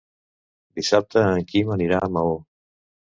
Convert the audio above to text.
Dissabte en Quim anirà a Maó.